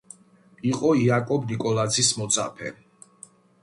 იყო იაკობ ნიკოლაძის მოწაფე.